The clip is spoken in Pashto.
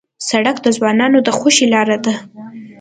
سړک د ځوانانو د خوښۍ لاره ده.